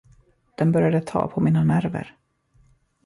Den började ta på mina nerver.